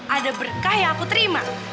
ada berkah yang aku terima